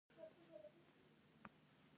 ایا زه باید ډاکټر ته لاړ شم؟